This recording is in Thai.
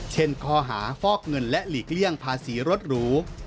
ข้อหาฟอกเงินและหลีกเลี่ยงภาษีรถหรู